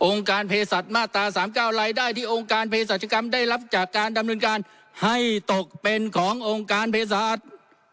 การเพศสัตว์มาตรา๓๙รายได้ที่องค์การเพศรัชกรรมได้รับจากการดำเนินการให้ตกเป็นขององค์การเพศศาสตร์